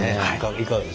いかがですか？